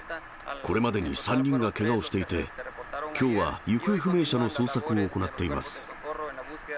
これまでに３人がけがをしていて、きょうは行方不明者の捜索を行っています。